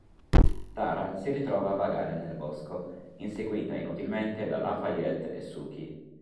Tara si ritrova a vagare nel bosco, inseguita inutilmente da Lafayette e Sookie.